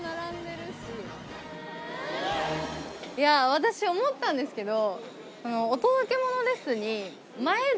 私思ったんですけど。